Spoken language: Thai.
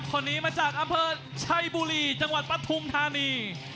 คนนี้มาจากอำเภอชัยบุรีจังหวัดปทุมธานี